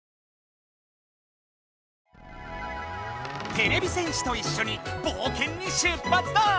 てれび戦士といっしょにぼうけんに出ぱつだ！